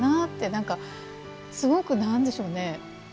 なんか、すごく何でしょうね。